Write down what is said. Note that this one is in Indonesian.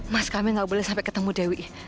mas kamil gak boleh sampai ketemu dewi